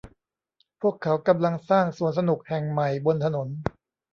พวกเขากำลังสร้างสวนสนุกแห่งใหม่บนถนน